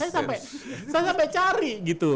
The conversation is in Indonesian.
saya sampai cari gitu